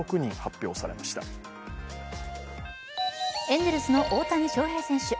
エンゼルスの大谷翔平選手。